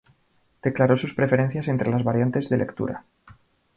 Declaró sus preferencias entre las variantes de lectura.